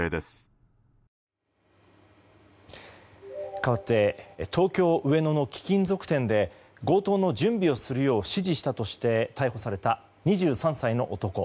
かわって東京・上野の貴金属店で強盗の準備をするよう指示したとして逮捕された、２３歳の男。